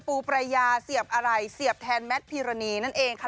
ประยาเสียบอะไรเสียบแทนแมทพีรณีนั่นเองค่ะ